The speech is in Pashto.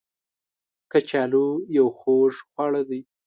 کچالو یو خوږ خواړه دی